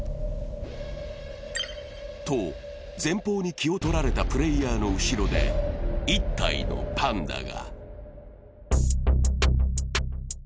前方に気を取られたプレーヤーの後ろで、１体のパンダが。